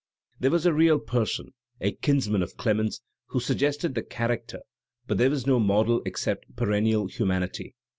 There was a real person, a kinsman of Clemens, who suggested the character, but there was no model except perennial humanity.